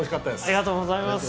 ありがとうございます。